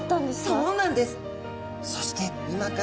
そうなんです！